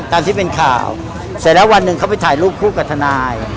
ตามที่เป็นข่าวเสร็จแล้ววันหนึ่งเขาไปถ่ายรูปคู่กับทนาย